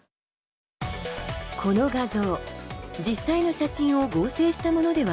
この画像実際の写真を合成したものではありません。